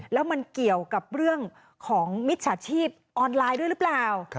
แล้วมันเกี่ยวกับเรื่องของมิจฉาชีพออนไลน์ด้วยหรือเปล่า